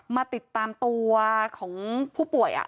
มาติดตามตัวของผู้ป่วย